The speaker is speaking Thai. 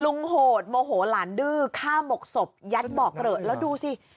ลุงโหดโมโหลานดื้อฆ่ามกษมภ์ยัดบ่อกเวละแล้วดูสิ